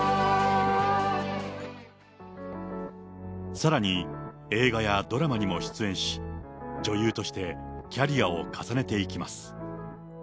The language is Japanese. さらに、映画やドラマにも出演し、女優としてキャリアを重ねていきます。